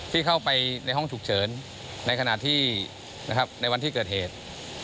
ที่เข้าไปในห้องฉุกเฉินในวันที่เกิดเหตุ